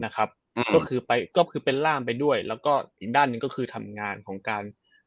ก็คือเป็นร่านไปด้วยแล้วก็อีกด้านนึงก็คือทำงานของการ